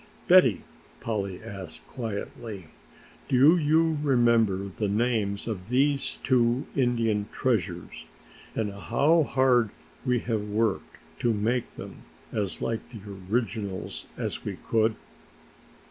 "Betty," Polly asked quietly, "do you remember the names of these two Indian treasures and how hard we have worked to make them as like the originals as we could?"